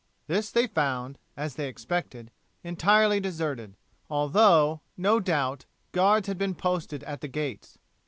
This they found, as they expected, entirely deserted, although, no doubt, guards had been posted at the gates.